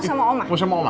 oh sini mas sama oma